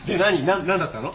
何だったの？